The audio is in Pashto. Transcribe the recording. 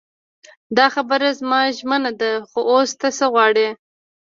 دا خبره زما ژمنه ده خو اوس ته څه غواړې.